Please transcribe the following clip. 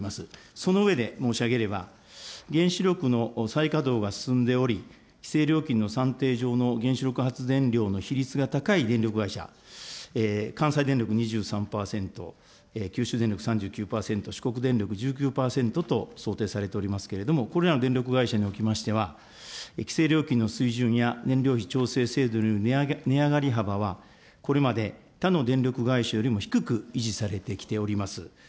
その上で申し上げれば、原子力の再稼働が進んでおり、規制料金の算定上の原子力発電量の比率が高い電力会社、関西電力２３％、九州電力３９％、四国電力１９％と想定されておりますけれども、これらの電力会社におきましては、規制料金の水準や燃料費調整制度による値上がり幅はこれまで他の電力会社よりも低く維持されてきております。